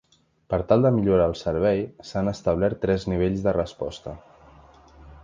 Per tal de millorar el servei, s’han establert tres nivells de resposta.